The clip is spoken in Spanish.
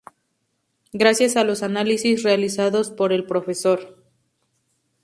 Gracias a los análisis realizados por el Prof.